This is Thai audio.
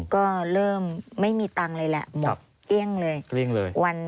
ก็เริ่มไม่มีตังค์เลยแหละหมดเตรียงเลย